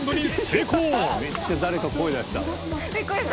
めっちゃ誰か声出した。